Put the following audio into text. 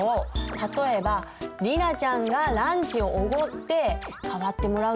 例えば莉奈ちゃんがランチをおごって代わってもらうとか。